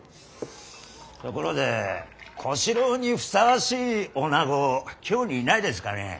ところで小四郎にふさわしい女子京にいないですかね。